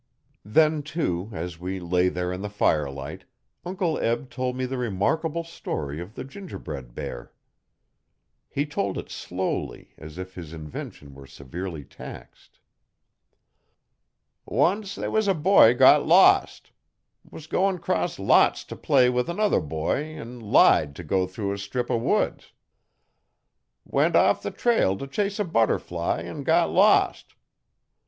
Then, too, as we lay there in the firelight, Uncle Eb told the remarkable story of the gingerbread hear. He told it slowly, as if his invention were severely taxed. 'Once they wuz a boy got lost. Was goin' cross lots t' play with 'nother boy 'n lied t' go through a strip o' woods. Went off the trail t' chase a butterfly 'n got lost.